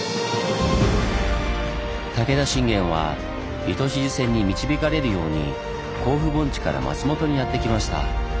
武田信玄は糸静線に導かれるように甲府盆地から松本にやって来ました。